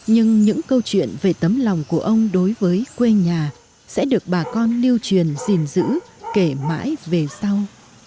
nhưng những câu chuyện về tấm lòng của ông đối với quê nhà sẽ được bà con lưu truyền gìn giữ kể mãi về sau